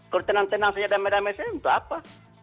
kalau tenang tenang saja damai damai saya untuk apa